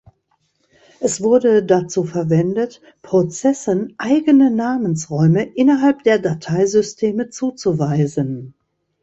Es wurde dazu verwendet, Prozessen eigene Namensräume innerhalb der Dateisysteme zuzuweisen.